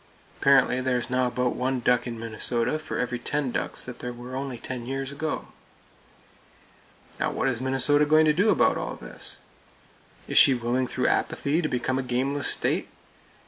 Apparently there is now about one duck in Minnesota for every ten ducks that were there only ten years ago. Now, what is Minnesota going to do about all this? Is she willing through Apathy to become a gameless state?